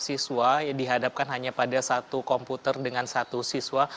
siswa dihadapkan hanya pada satu komputer dengan satu siswa